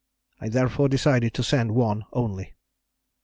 I therefore decided to send one only.